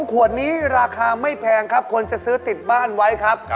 ขวดนี้ราคาไม่แพงครับคนจะซื้อติดบ้านไว้ครับ